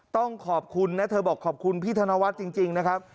ต้องขอบคุณนะเธอบอกขอบคุณพี่ธนวัฒน์จริงนะครับ